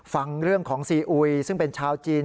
ฟังเรื่องของซีอุยซึ่งเป็นชาวจีน